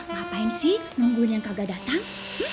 ngapain sih nungguin yang kagak datang